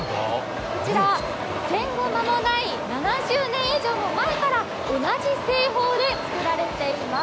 こちら、戦後間もない７０年以上前から同じ製法で作られています。